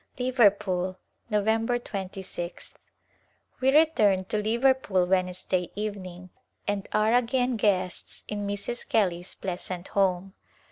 Liverpool^ Nov. 26th. We returned to Liverpool Wednesday evening and are again guests in Mrs. Kelly's pleasant home.